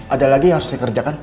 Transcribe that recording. ada lagi yang harus saya kerjakan